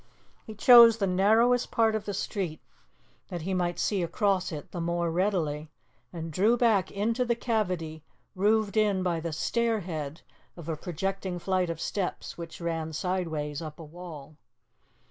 He chose the narrowest part of the street, that he might see across it the more readily, and drew back into the cavity, roofed in by the 'stairhead' of a projecting flight of steps which ran sideways up a wall.